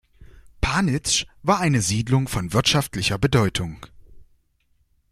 Panitzsch war eine Siedlung von wirtschaftlicher Bedeutung.